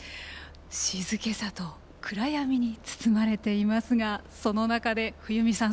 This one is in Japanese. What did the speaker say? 静けさと暗闇に包まれていますがその中で、冬美さん